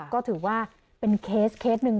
ก็ถือว่าเป็นเคสหนึ่ง